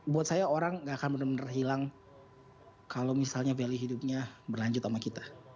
buat saya orang gak akan benar benar hilang kalau misalnya value hidupnya berlanjut sama kita